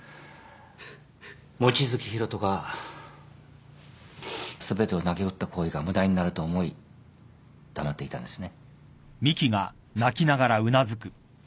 望月博人が全てをなげうった行為が無駄になると思い黙っていたんですね。